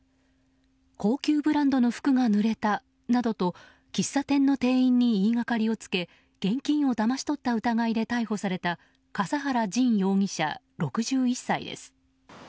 高級ブランドの服がぬれたなどと喫茶店の店員に言いがかりをつけ現金をだまし取った疑いで逮捕された笠原仁容疑者、６１歳です。